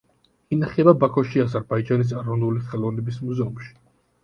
ინახება ბაქოში, აზერბაიჯანის ეროვნული ხელოვნების მუზეუმში.